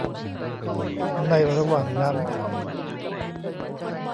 ในระหว่างนั้น